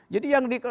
jadi yang di